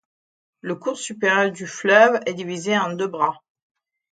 Le cours supérieur du fleuve est divisé en deux bras.